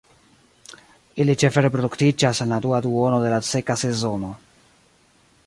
Ili ĉefe reproduktiĝas en la dua duono de la seka sezono.